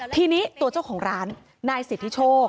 ทีนี้ตัวเจ้าของร้านนายสิทธิโชค